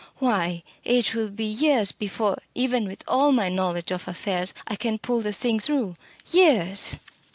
Why, it will be years before, even with all my knowledge of affairs, I can pull the thing through years!"